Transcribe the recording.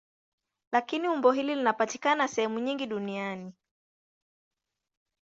Lakini umbo hili linapatikana sehemu nyingi duniani.